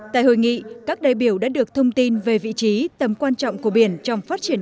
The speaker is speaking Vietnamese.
tại hội nghị các đại biểu đã được thông tin về vị trí tầm quan trọng của biển trong phát triển